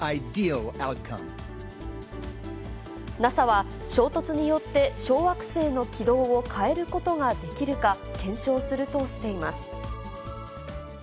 ＮＡＳＡは衝突によって、小惑星の軌道を変えることができるか、検証するとしています。